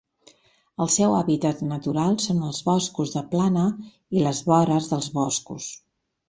El seu hàbitat natural són els boscos de plana i les vores dels boscos.